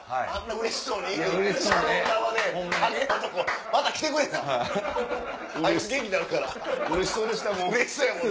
うれしそうでしたもん。